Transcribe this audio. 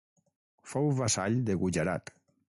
Fou vassall de Gujarat.